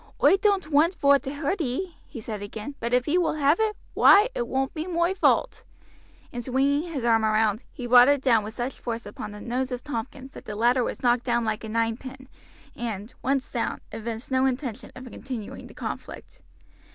"Oi doan't want vor to hurt ee," he said again, "but if ee will have it, why, it won't be moi vault;" and swinging his arm round, he brought it down with such force upon the nose of Tompkins that the latter was knocked down like a ninepin, and, once down, evinced no intention of continuing the conflict.